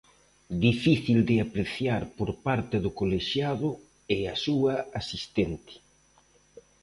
Difícil de apreciar por parte do colexiado e a súa asistente.